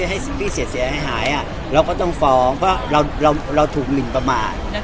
ให้พี่เสียเสียให้หายเราก็ต้องฟ้องเพราะเราถูกลิ่นประมาณ